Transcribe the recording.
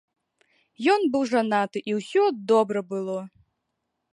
Ён быў жанаты і ўсё добра было.